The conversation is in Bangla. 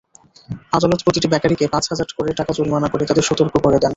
আদালত প্রতিটি বেকারিকে পাঁচ হাজার করে টাকা জরিমানা করে তাদের সতর্ক করে দেন।